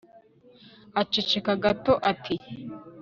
aceceka gato ati